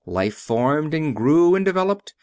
Life formed and grew and developed.